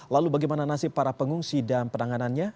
lalu bagaimana nasib para pengungsi dan penanganannya